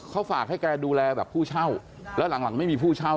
เขาฝากให้แกดูแลแบบผู้เช่าแล้วหลังไม่มีผู้เช่า